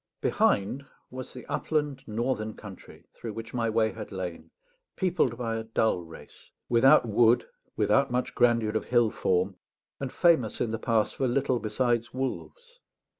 Behind was the upland northern country through which my way had lain, peopled by a dull race, without wood, without much grandeur of hill form, and famous in the past for little besides wolves.